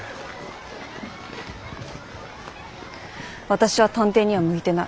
私は探偵には向いてない。